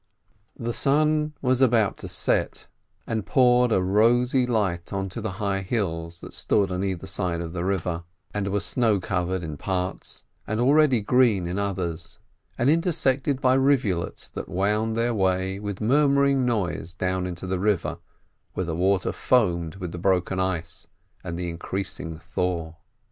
The sun was about to set, and poured a rosy light onto the high hills that stood on either side of the river, and were snow covered in parts and already green in others, and intersected by rivulets that wound their way with murmuring noise down into the river, where the water foamed with the broken ice and the increasing thaw.